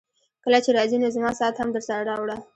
کله چي راځې نو زما ساعت هم درسره راوړه.